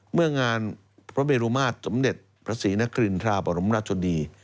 เมื่องานพระเมรุมาตรสมเด็จพระศรีนครินทราบรมราชดี